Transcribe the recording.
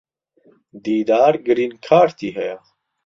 دیدار گرین کارتی ھەیە.